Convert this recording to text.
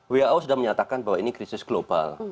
who sudah menyatakan bahwa ini krisis global